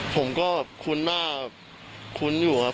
ผมก็คุ้นมากคุ้นอยู่ครับ